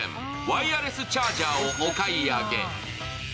ワイヤレスチャージャーをお買い上げ。